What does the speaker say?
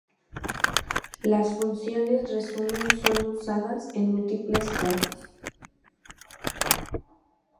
Las funciones resumen son usadas en múltiples campos.